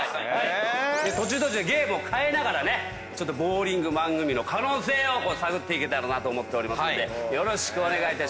途中途中ゲームを変えながらねボウリング番組の可能性を探っていけたらと思ってますのでよろしくお願いいたします。